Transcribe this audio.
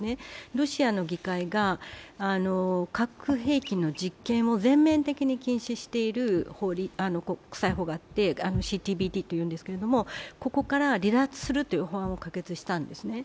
ロシアの議会が核兵器の実験を全面的に禁止している国際法があってＣＴＢＴというんですけど、ここから離脱するという法案を可決したんですね。